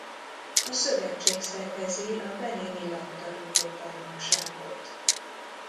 A szövetség szervezi a Benini labdarúgó-bajnokságot.